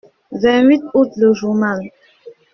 vingt-huit août., Le Journal.